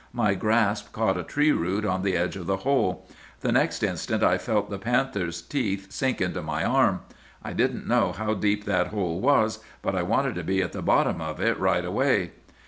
My grasp caught a tree root on the edge of the hole. The next instant I felt the panther's teeth sink into my arm. I didn't know how deep that hole was, but I wanted to be at the bottom of it right away.